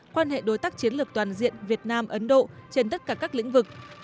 quan hệ đối tác chiến lược toàn diện việt nam ấn độ trên tất cả các lĩnh vực